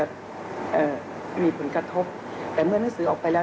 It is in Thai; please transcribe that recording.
มีผลกระทบแต่เมื่อหนังสือออกไปแล้วเนี่ยเราก็รู้ว่ามีเกิดปัญหา